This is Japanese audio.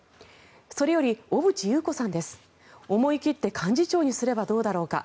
それより小渕優子さんです思い切って幹事長にすればどうだろうか。